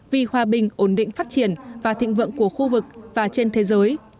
vì hòa bình ổn định phát triển và thịnh vượng của khu vực và trên thế giới